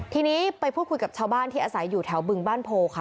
ทีนี้ไปพูดคุยกับชาวบ้านที่อาศัยอยู่แถวบึงบ้านโพค่ะ